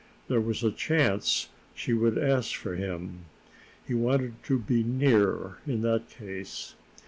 There was a chance she would ask for him. He wanted to be near, in that case.